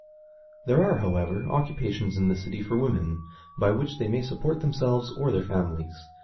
There are, however, occupations in the city for women, by which they may support themselves or their families.